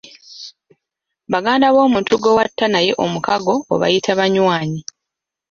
Baganda b'omuntu gwe watta naye omukago obayita banywanyi.